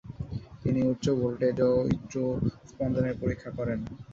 তিনি উচ্চ ভোল্টেজ ও উচ্চ স্পন্দন এর পরিক্ষা করেন।